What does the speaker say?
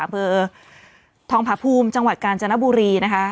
อำเภอทองผาภูมิจังหวัดกาญจนบุรีนะคะ